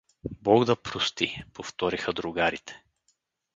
— Бог да прости — повториха другарите.